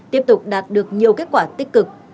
tiếp tục đạt được nhiều kết quả tích cực